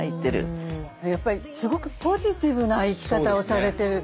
やっぱりすごくポジティブな生き方をされてる。